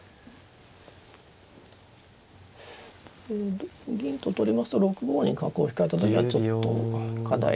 同銀と取りますと６五に角を引かれた時はちょっと課題になります。